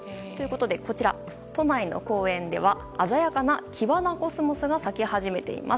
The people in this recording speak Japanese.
こちら、都内の公園では鮮やかなキバナコスモスが咲き始めています。